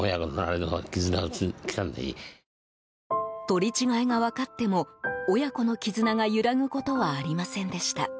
取り違えが分かっても親子の絆が揺らぐことはありませんでした。